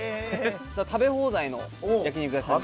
食べ放題の焼肉屋さんに。